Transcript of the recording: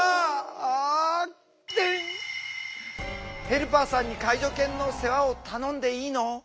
ヘルパーさんに介助犬の世話を頼んでいいの？